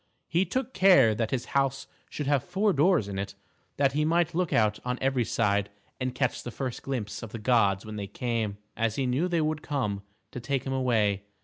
He took care that his house should have four doors in it, that he might look out on every side and catch the first glimpse of the gods when they came, as he knew they would come, to take him away.